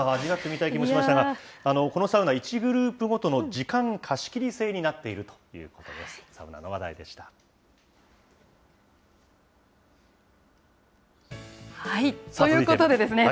寒暖差を味わってみたい感じもしましたが、このサウナ、１グループごとの時間貸し切り制になっているということです。